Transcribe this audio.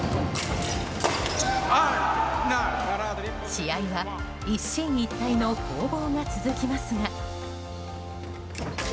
試合は一進一退の攻防が続きますが。